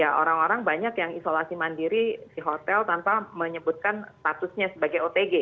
ya orang orang banyak yang isolasi mandiri di hotel tanpa menyebutkan statusnya sebagai otg